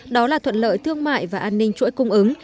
đó là thuận lợi thương mại và an ninh chuỗi cung ứng